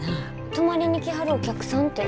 泊まりに来はるお客さんて。